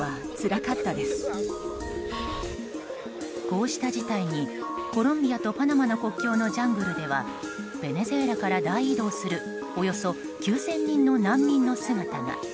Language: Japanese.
こうした事態にコロンビアとパナマの国境のジャングルではベネズエラから大移動するおよそ９０００人の難民の姿が。